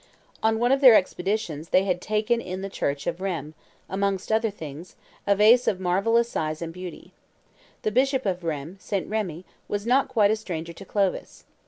On one of their expeditions they had taken in the church of Rheims, amongst other things, a vase "of marvellous size and beauty." The Bishop of Rheims, St. Remi, was not quite a stranger to Clovis.